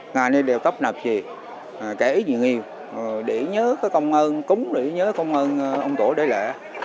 ngày này đều tấp nạp gì kể ý gì nhiều để nhớ công ơn cúng để nhớ công ơn ông tổ đại lệ